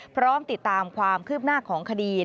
พร้อมติดตามความคืบหน้าของคดี